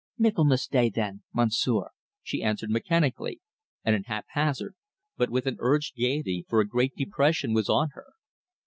"Michaelmas day, then, Monsieur," she answered mechanically and at haphazard, but with an urged gaiety, for a great depression was on her.